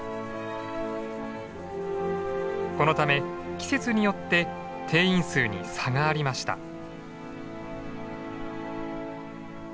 このため季節によって定員数に差がありました。